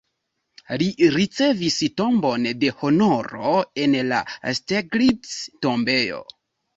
Li ricevis tombon de honoro en la Steglitz-tombejo.